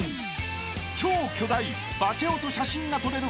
［超巨大バチェ男と写真が撮れる